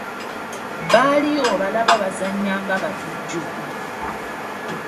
Bali obalaba bazannya nga batujju.